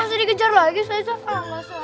mereka lagi saya cek panggilan soh